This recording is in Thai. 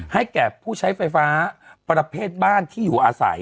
แก่ผู้ใช้ไฟฟ้าประเภทบ้านที่อยู่อาศัย